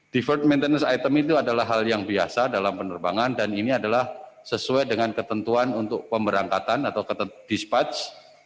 devert maintenance item itu adalah hal yang biasa dalam penerbangan dan ini adalah sesuai dengan ketentuan untuk pemberangkatan atau despatch